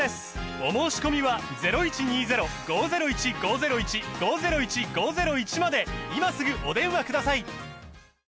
お申込みは今すぐお電話ください